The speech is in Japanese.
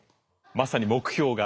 まさに目標が。